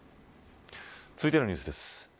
続いてのニュースです。